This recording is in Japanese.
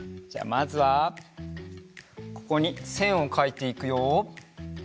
じゃあまずはここにせんをかいていくよ。